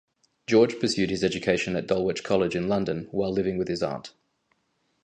George pursued his education at Dulwich College in London while living with his aunt.